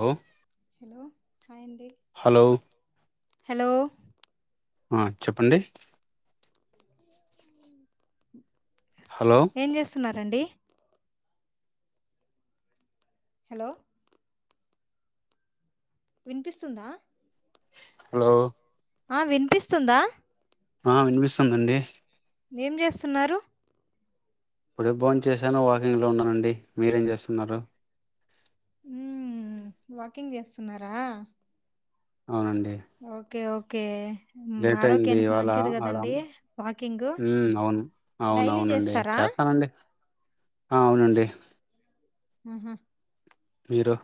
Hello hello hello ఆ చెప్పండి hello ఏం చేస్తున్నారండి హలో వినిపిస్తుందా హలో ఆ వినిపిస్తుందా ఆ వినిపిస్తుందండి ఏం చేస్తున్నారు ఇప్పుడే భోంచేశాను వాకింగ్లో ఉన్నానండి మీరేం చేస్తున్నారు హ్మ్ వాకింగ్ చేస్తున్నారా అవునండి ఓకే ఓకే లేట్ అయింది ఆరోగ్యానికి ఇవాళ మంచిది ఆడ కదండి వాకింగ్ మ్మ్ అవును అవును డైలీ అవునండి చేస్తారా చాలా వస్తానండి ఆ అవునండి ఆహా మీరు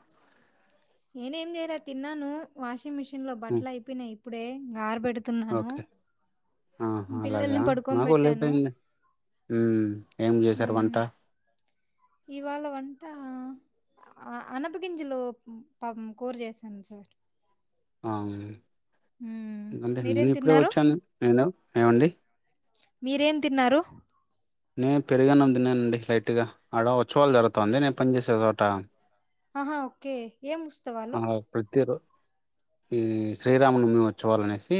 నేనేం చేయలే తిన్నాను వాషింగ్ మిషిన్ లో ఉమ్ బట్టలు అయిపోయినాయి ఇప్పుడే ఆరబెట్ పెడుతున్నాను ఆహ అలాగా నాకు ఒళ్ళు అయిపోయింది మ్మ్ ఏం చేశారు వంట మ్మ్ ఇవాళ వంట ఆ అ అనపుగింజలు పాపం కూర చేసాను సార్ అవున మ్మ్ ఎందుకంటే మీరేం నేను ఇప్పుడే తిన్నారు వచ్చాను నేను ఏవండి మీరేం తిన్నారు నేను పెరుగు అన్నం తిన్నానండి లైట్గా ఆడ ఉత్సవాలు జరుగుతాంది నేను పనిచెసే చోట ఆహా ఓకే ఏం ఉత్సవాలు మ్మ్ శ్రీరామనవమి ఉత్సవాలు అనేసి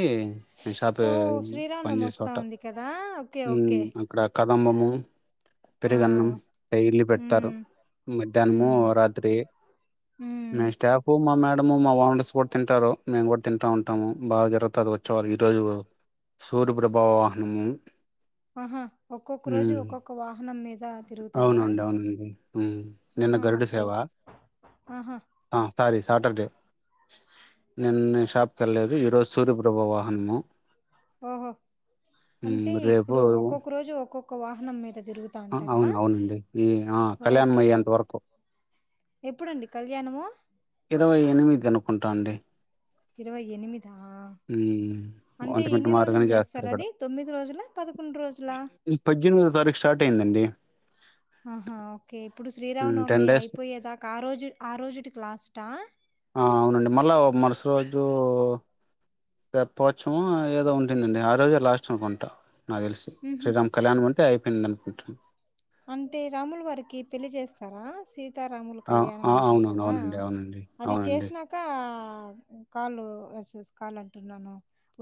నిను షాప్ లో ఓ శ్రీరామనవమి పనిచెసే వస్తా చోట ఉంది కదా ఓకే మ్మ్ ఓకే అక్కడ కదంబము ఆ పెరుగన్నం డైలీ పెడతారు మ్మ్ మధ్యాహ్నము మ్మ్ రాత్రి మ్మ్ మా స్టాఫూ మా మేడం అంటే మా ఓనర్స్ కూడా తింటారు మేము కూడా తింటా ఉంటాము బాగా జరుగుతాది ఉత్సవాలు ఈ రోజు సూర్యప్రభా వాహనము ఆహా ఒక్కొక్క రోజు మ్మ్ ఒక్కొక్క వాహనం మీద తిరుగుతారా అవునండి అవునండి మ్మ్ నిన్న ఆహా గరుడ ఓకే సేవ ఆహా ఆ సారీ సాటర్డే నిన్న షాప్కి వెళ్ళలేదు ఈరోజు సూర్యప్రభ వాహనము ఓహో అంటే మ్మ్ రేపు ఇప్పుడు ఒక్కొక్క రోజు ఒక్కొక్క వాహనం మీద తిరుగుతా ఆహ అంటారా అవును అవునండి ఈ ఆ కళ్యాణం ఓకే అయ్యేంత ఓకే వరకు ఎప్పుడండి కళ్యాణము ఇరవై ఎనిమిది అనుకుంటాండి ఇరవై ఎనిమిది మ్మ్ ఒంటి మిట్ట ఎన్ని రోజులు మాదిరిగినే చేస్తారు అది తొమ్మిది రోజులా పదకొండు రోజులా ఇ పజేనిమిది తారీఖు స్టార్ట్ అయిందండి ఆహా ఓకే ఇప్పుడు హ్మ్. టెన్ శ్రీరామనవమి డేస్ అయిపోయేదాకా ఆ రోజు ఆ రోజుటికి లాస్టా ఆ అవునండి మళ్ళా మరుస రోజు తెప్పోత్సవము ఏదో ఉంటుందండి ఆ రోజే లాస్ట్ అనుకుంటా నాకు తెలిసి హుహు. శ్రీరామ్ కళ్యాణం అంటే అయిపోయింది అనుకుంటున్నాను అంటే రాములు వారికి పెళ్లి చేస్తారా సీ సీతారాములు కళ్యాణం అంటారు అవునవును కదా అవునండి అవునండి అది అవునండి చేసినాక కాల్ వస కాల్ అంటున్నాను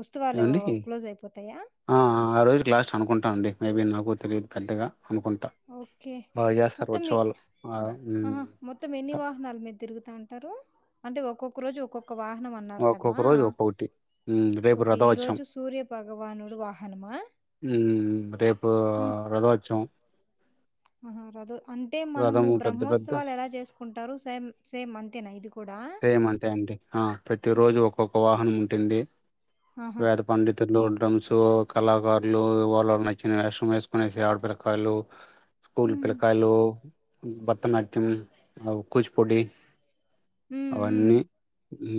ఉత్సవాలు ఏమండి క్లోజ్ అయిపోతాయా? ఆ రోజుకి లాస్ట్ అనుకుంటానండి మేబీ నాకు తెలియదు పెద్దగా అనుకుంటా ఓకే బాగా చేస్తారు మొత్తం మీ ఉత్సవాలు ఆ ఉమ్ మొత్తం ఎన్ని వాహనాల మీద తిరుగుతా అంటారు అంటే ఒక్కొక్క రోజు ఒక్కొక్క ఒక వాహనం అన్నారు కదా ఒక్కొక్క రోజు ఒక్కొక్కటి ఉమ్ రేపు ఓకే ఈ రథోత్సవం రోజు సూర్య భగవానుడు వాహనమా రేపు రథవచ్చం ఆహ రదు అంటే రథం మనము పెద్ద పెద్ద బ్రహ్మోత్సవాలు ఎలా చేసుకుంటారు సేమ్ సేమ్ అంతేనా ఇది కూడా సేమ్ అంటే అండి ఆ ప్రతి రోజు ఒక్కొక్క వాహనం ఉంటుంది ఆహా వేద పండితులు స్ కళాకారులు వాళ్ళ నచ్చిన వేష్రం వేసుకుొనేసి ఆడపిల కాయలు స్కూల్ ఉమ్, పిల్లకాయలు భరతనాట్యం కూచిపూడి ఉమ్, ఉమ్, అవన్నీ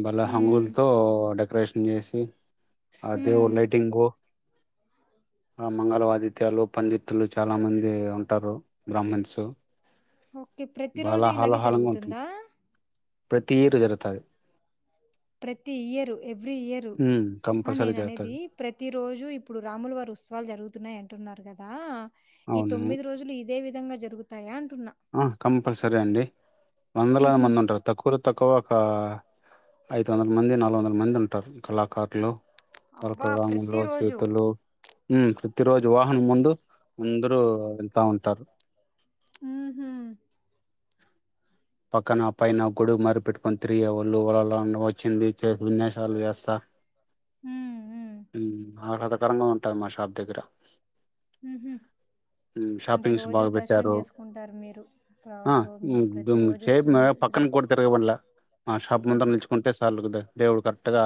బళ్ళ ఉమ్, హంగులతో డెకరేషన్ చేసి అదేవ ఉమ్. లై టింగ్ మంగళ ఆదిత్యాలు పండితులు చాలా మంది ఉంటారు బ్రాహ్మన్స్ ఓకే ప్రతి రోజు ఇలాగే జరుగుతుందా ప్రతిరు జరతాయి ప్రతి ఇయరు ఎవ్రీ ఇయరు హ్మ్. ఆ కంపల్సరీ నేన అనేది జరుగుతది. ప్రతి రోజు ఇప్పుడు రాములు వారు ఉత్సవాలు జరుగుతున్నాయి అంటున్నారు కదా ఈ అవును. తొమ్మిది రోజులు ఇదే విధంగా జరుగుతాయా అ ఆ కంపల్సరీ అండి వందలాది ఉహుం. మంది ఉంటారు తక్కువలొ తక్కువ ఒక ఐదు వందల మంది నాలుగు వందల మంది ఉంటారు కళాకారులు తలక అబ్బా రాంగులు ప్రతిరోజు చేతులు ప్రతి రోజు వాహనం ముందు అందరూ వెంతా ఉంటారు ఆ హ పక్కన ఆ పైన గొడుగు మారిపెట్టుకొని తిరిగే ఒళ్ళుల వచ్చింది విన్యాసాలు చేస్తా ఉమ్, ఉమ్, ఆహ్లాదాకరంగా ఉంటాది మా షాప్ దగ్గర హహ హ్మ్. అంటే షాపింగ్స్ రోజు బాగా దర్శనం పెట్టారు. చేసుకుంటారు ఆ! మీరుస మీరు హ్మ్. ప్రతి దుమ్ రోజు చేయి పక్కన కూడా తిరగ వళ్ల మా షాప్ ముంద ఆహా నిలుచుకుంటే చార్ దేవుడు కరెక్ట్ గా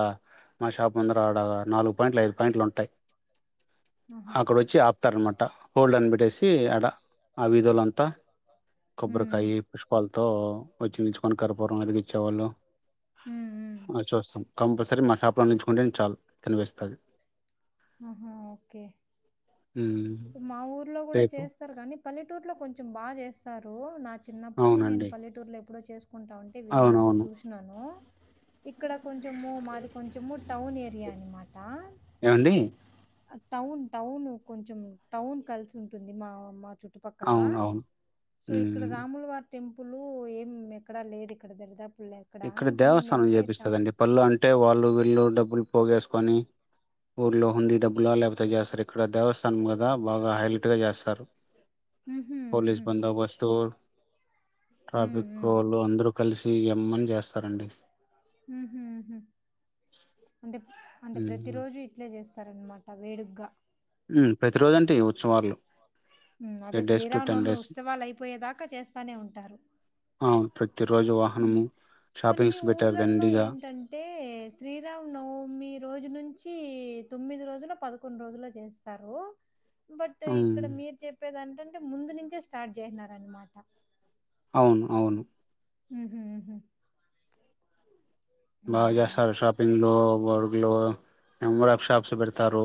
మా షాప్ అంద ఆడ నాలుగు పాయింట్లు ఐదు పాయింట్లు ఉంటాయి ఆహా అక్కడ వచ్చి ఆపుతారనమాట హోల్డ్ అని పెట్టేసి అడ ఆ విధులంతా కొబ్బరి ఉమ్ కాయి పుష్పాల తో వచ్చి మచుకొని కరపరం ఎరికి ఇచ్చేవాళ్ళు ఉమ్ ఉమ్ అ చూస్తాం కంపల్సరీ మా షాప్లో నిచుకుంటే చాలు కనిపిస్తది ఆహా ఓకే హ్మ్. మా ఊర్లో కూడా రేపు చేస్తారు కానీ పల్లెటూరులో కొంచెం బాగా చేస్తారు నా చిన్నప్పుడు నేను అవునండి. పల్లెటూరులో ఎప్పుడో చేసుకు కుంటాంటే విన్నాను అవునవును. చూసినను ఇక్కడ కొంచము మాది కొంచము టౌన్ ఏరియా అనమాట ఏవండీ? టౌన్ టౌన్ కొంచెం టౌన్ కలిసి ఉంటుంది మా మా చుట్టూ చుట్టుపక్కల అవునవును. సో ఇక్కడ హ్మ్. రాములు వార్ టెంపుల్ ఏం ఎక్కడ లేదు ఇక్కడ దద ఇక్కడ దేవస్థానం చేపిస్తుందిండి పళ్ళు అంటే వాళ్ళు వీళ్ళు డబ్బులు పోగేసుకొని ఊర్లో హుండీ డబ్బులా లేకపోతే చేస్తారు ఇక్కడ దేవస్థానం కదా బాగా హైలైట్ గా చేస్తారు హుహు. పోలీసు హుహు. బందోబస్తు హ్మ్. ట్రాఫక్ హ్మ్. రోలు అందరు కలిసి జామ్ అని చేస్తారండి హుమ్మ్ అంటే అంటే ప్రతి ఉమ్. రోజు ఇట్లే చేస్త స్తారనమాట వేడుగ్గా హమ్ ప్రతి రోజంటే ఈ ఉత్సవాలో హమ్ అదే శ్రీరామనవమి ఉత్సవాలు అయిపోయేదాకా చేస్తానే ఉంటారు అవును ప్రతిరోజు హ్మ్ వాహనము కొన్ని షాపింగ్స్ పెట్టారు ఊర్లలో దండిగా ఏంటంటే శ్రీరామ నవమి రోజు నుంచి తొమ్మిది రోజులో పదకొండు రోజుల్లో చేస్తారు బట్ ఉమ్, ఇక్కడ మీరు చెప్పేదాని ఎంటే ముందు నుంచే స్టార్ట్ చేసినారనమాట అవును అవును హుమ్మ్ హుమ్మ్ బాగా చేస్తారు షాపింగ్లు వర్లు నెంబర్ ఆఫ్ షాప్స్ పెడతారు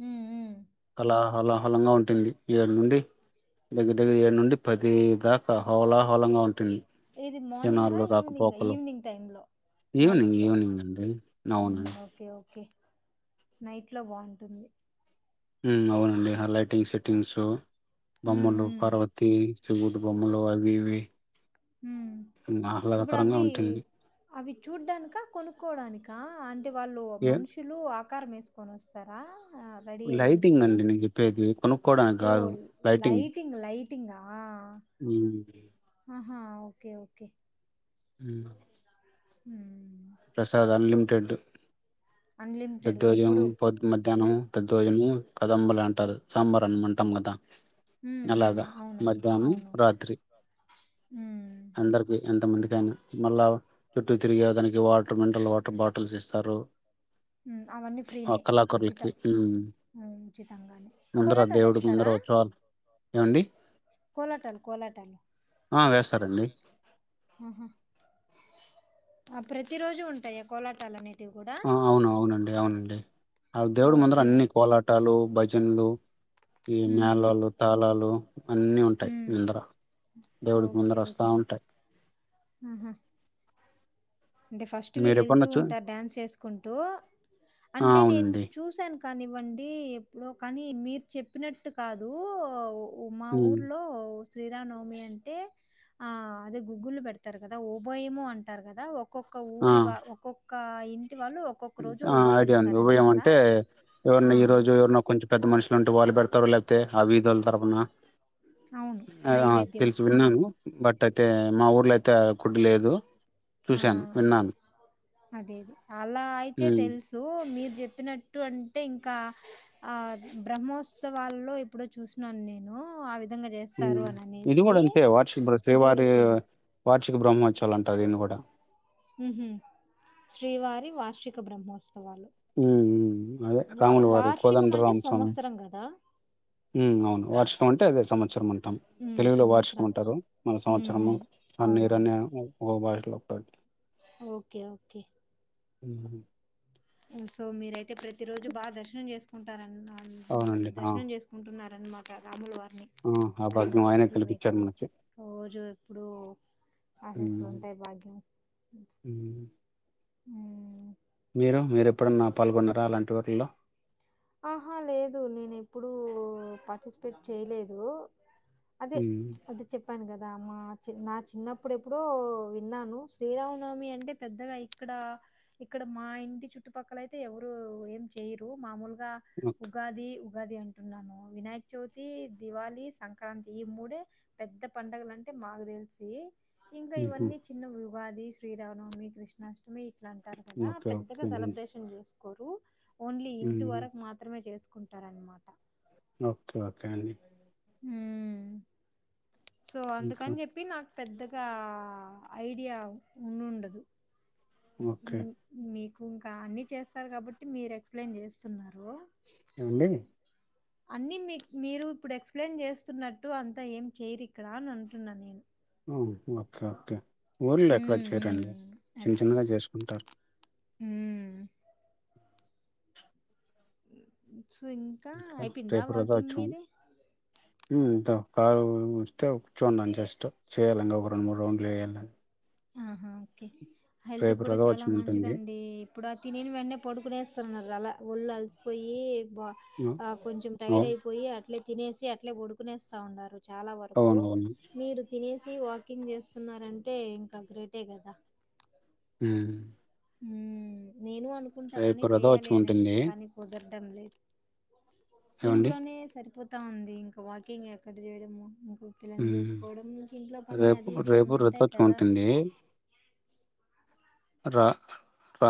హమ్ హమ్ కళహలాహలంగా ఉంటుంది ఏడు నుండి దగ్గర దగ్గర ఏడు నుండి పది దాకా హోలాహోలంగా ఉంటుంది ఏది మార్నింగ్ ఆహ్ ఈవినింగ్ ఆహ్ ఈవినింగ్ టైమ్ లో నైట్ ఈవనింగ్ లో ఈవనింగ్ అండి నవును ఒకే నైట్ లో బాగుంటుంది హమ్ అవునండి ఆహ్ లైటింగ్ సెట్టింగ్స్ ఉమ్ బొమ్మలు ఉమ్ పార్వతి సివుడు బొమ్మలు అవి ఇవి హ్మ్ ఇప్పుడు ఆహ్లాదకరంగా అవి ఉంటుంది అవి చూడ్డానిక కొనుక్కోవడానికా అంటే వాళ్ళు ఏ మనుషులు అవతారం వేసుకొని వస్తారా రెడీ లైటింగ్ అయ్యేసి అండి నేను చెప్పేది కొనుక్కోవడానికి ఓ కాదు లైటింగ్ హ్మ్ హా ఓకే ఓకే హమ్ హమ్ అన్లిమిటెడ్ దర్ధోజనం ఎప్పుడు పొద్ మధ్యానం దర్ధోజనం కదంబులే అంటారు సాంబార్ అన్నం మంటాం కదా ఉమ్, ఉమ్, అలాగా అవును మధ్యాహ్నం అవును రాత్రి ఉమ్, అందరికి ఎంతమందికైన మళ్ళా చుట్టూ తిరిగే దానికి వాటర్ మినరల్ వాటర్ బాటిల్స్ ఇస్తారు ఉమ్, ఆ కళాకరలకి హమ్ ఉ ఉచితంగానే కొల్లాటాలు ముందర వేస్తారా ఉత్సవాలు ఏవండి కోలాటాలు కోలాటాలు ఆ వేస్తారండి ఆ ప్రతి రోజు ఉంటాయా కోలాటాలనే ఆ అవును అవునండి అవునండి ఆ దేవుడు మందర ఓకే. అన్ని ఓకే. కోలాటాలు భజనలు ఈ హ్మ్. మేళలు తాళాలు అన్నీ ఉంటాయి హ్మ్. ముందర దేవుడికి ముందర వస్తా ఉంటాయి హుమ్మ్ అంటే ఫస్ట్ మీరు వీళ్ళు వెళ్తూ ఎప్పుడన్నా చూ ఉంటారు డాన్స్ వేసుకుంటూ ఆ అంటే నేను అవునండి చూసాను కానివ్వండి ఎప్పుడో కానీ మీరు చెప్పినట్టు కాదు మా ఉమ్ ఊర్లో శ్రీరామ నవమి అంటే ఆ అది గుగుల్ పెడతారు కదా ఓభోయమో అంటారు కదా ఒక్కొక్క ఆ ఊరి వా ఒక్కొక్క ఇయిన్ ఆ ఐడియా ఉంది ఉభయం అంటే ఆ! ఎవరినా ఈ రోజు ఎవరిన్నా కొంచెం పెద్ద మనుషులు ఉంటే వాళ్ళు పెడతారు లేకపోతే ఆ విదోల తరపున అవును. నైవేద్యం తెలుసు అలా. విన్నాను బట్ అ అయితే మా ఊర్లో అయితే కుట్లేదు లేదు చూశాను హమ్ విన్నాను అదే అలా అయితే ఉమ్ తెలుసు మీరు చెప్పినట్టు అంటే ఇంకా ఆ బ్రహ్మోత్సవాల్లో ఇప్పుడు చూసినను నేను ఆ విధ ఉమ్ ఇది కూడా అంతే వార్షిక ఇది కూడా శ్రీవారి సేమ్ వార్షిక బ్రహ్మోత్సవ అంట అదేన్ కూడా అక్క [inaudible] ఉహూ శ్రీవారి వార్షిక బ్రహ్మోత్సవ ఉమ్ అదే రాములు వారి వార్షికం అంటే కోదండరామస్వామి సంవత్సరం కదా హమ్ అవును వార్షికం అంటే అదే సంవత్సరం అంటాం ఉమ్ తెలుగులో వార్షికం సంవత్సరాలు ఉంటారు మన ఉమ్ సంవత్సరము ఉమ్ ప నిరణ అవునవును బాయ లో ఒక [unintelligible] ఓకే ఓకే హ [inaudible] సో మీరయితే ప్రతి రోజు బాగా దర్శనం చేసుకుంటార అవును దర్శనం చేసుకుంటున్నారనమాట రాముల వారిని ఆ! ఆ ఆయన భాగ్యం ఆయనే ఆశీస్లు కల్పించారు మీకువ మనకి. రోజు ఇప్పుడుూ ఆశీస్లు ఉంటాయి భాగ్యం ఉ [inaudible] హమ్ మీరు మీరెప్పుడన్నా పాల్గొన్నారా అలాంటి వాటిల్లో ఆహా లేదు నేను ఎప్పుడుూ పార్టిసిపేట్ చేయలేదు అదే హ్మ్. అదే చెప్పాను కదా మా [inaudible] నా చిన్నప్పుడు ఎప్పుడో విన్నాను శ్రీరామనవమి అంటే పెద్దగా ఇక్కడ ఇక్కడ ఇక్కడ మా ఇంటి చుట్టుపక్కల అయితే ఎవరు ఏం చెయరు మామూలుగా ఓకే. ఉగాది ఉగాది అంటున్నాను వినాయక చవితి దివాళి సంక్రాంతి ఈ మూడే పెద్ద పండగలు అంటే మాకు తెలిసి ఇంకా హుహు. ఇవన్నీ చిన్న ఉగాది శ్రీరామనవమి కృష్ణాష్టమి అట్లా అంటారు కదా ఓకే. పెద్దగా ఓకే. హ్మ్. సెలబ్రేషన్ చేసుకోరు ఓన్లీ ఇంటి హ్మ్. వరకు మాత్రమే చేసుకుంటారనమాట ఓకే ఓకే అండి ఉమ్ సో ఇంకా అందుకని చెప్పి నాకు పెద్దగా ఐడియా ఉండుండాదు ఓకే. హ్మ్ హ్మ్ మీకు ఇంకా అన్ని చేస్తారు కాబట్టి మీరు ఎక్స్ప్లెయిన్ చేస్తున్నారు ఎండి అన్ని మీక్ మీరు ఇప్పుడు ఎక్స్ప్లెయిన్ చేస్తున్నట్టు అంతా ఏం చెయరు ఇక్కడ అని అంటున్నా నేను ఆ, ఓకే ఓకే ఊర్లలో ఎక్కడ ఉమ్ ఉమ్ చేయరండి చిన్న అది చిన్నగా చేసుకుంటారు ఉమ్ సో ఇంకా ఇట్లా అయిపోయిందా రేపు వాకింగ్ రథోత్సవం మీది హ్మ్ ఇంతొ కారు వస్తే కూర్చోనున్న జస్ట్ చేయ్యాలని ఒక రెండు మూడు రౌండ్లు వేయాలని ఆహా ఓకే హెల్త్ రేపు గూడా చాలా రథోత్సవం ఉంటుంది. మంచిదండి ఇప్పుడు తినిన వెంటనే పడుకునేస్ తున్నరుఅలా ఒళ్ళు అలసిపోయి బా హ్మ్. కొంచెం అవు టైడ్ అయిపోయి అట్లే తినేసి అట్లే పడుకునేస్తా ఉన్నారు చాలా వరకు అవునవును. మీరు తినేసి వాకింగ్ చేస్ తున్నారంటే ఇంకా గ్రేటే కదా హమ్ హ్మ్ నేను అనుకుంటా గానీ రేపు చెయ్యాలి రథోత్సవం ఉంటుంది. అనేసి కానీ కుదరడం లేదు ఏవండి? ఇంట్లోనే సరిపోతా ఉంది ఇంకా వాకింగ్ ఎక్కడ చేయడము ఇం హు పిల్లని హ్మ్. చూసుకోవడం ఇంకింట్లో పని రేపు అది ఇది అని రేపు ఉంటాయి రథోత్సవం కదా ఉంటుంది. రా [inaudible]